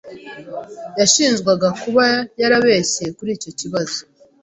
Yashinjwaga kuba yarabeshye kuri icyo kibazo.